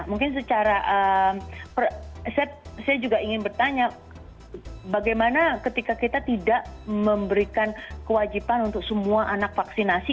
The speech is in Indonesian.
mungkin secara saya juga ingin bertanya bagaimana ketika kita tidak memberikan kewajiban untuk semua anak vaksinasi